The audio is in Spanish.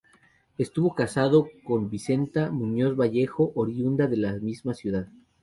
Estuvo casado con Vicenta Muñoz Vallejo, oriunda de la misma ciudad.